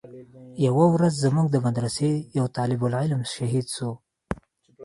يوه ورځ زموږ د مدرسې يو طالب العلم شهيد سو.